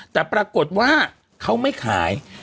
แต่ปรากฏว่าเขาไม่ขาย